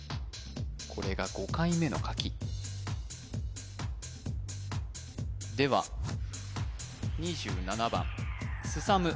これが５回目の書きでは２７番すさむ